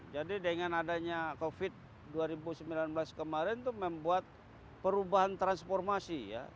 jadi dengan adanya covid sembilan belas kemarin itu membuat perubahan transformasi